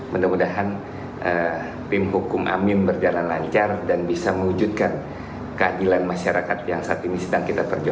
mudah mudahan tim hukum amin berjalan lancar dan bisa mewujudkan keadilan masyarakat yang saat ini sedang kita kerjakan